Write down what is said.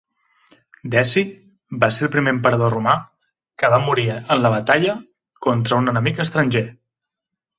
Deci va ser el primer emperador romà que va morir en la batalla contra un enemic estranger.